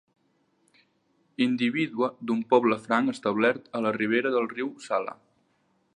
Indivídua d'un poble franc establert a la ribera del riu Sala.